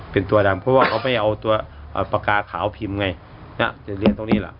เป็นตัวดำเพราะว่าเขาไม่เอาตัวปากกาขาวพิมพ์ไงจะเรียนตรงนี้ล่ะ